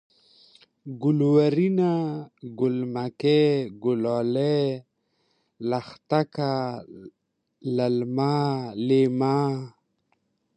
گلورينه ، گل مکۍ ، گلالۍ ، لښته ، للمه ، لېمه